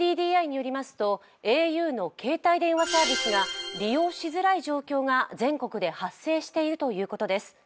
ＫＤＤＩによりますとａｕの携帯電話サービスが利用しづらい状況が全国で発生しているということです。